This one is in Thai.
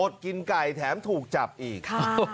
กินไก่แถมถูกจับอีก